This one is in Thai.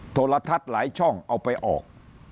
โทรทัศน์หลายช่องเอาไปออก